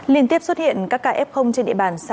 liên tiếp xuất hiện các kf trên địa bàn xã vung tây